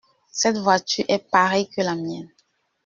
Cette voiture est pareille que la mienne.